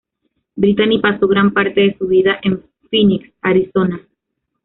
Brittany pasó gran parte de su vida en Phoenix, Arizona.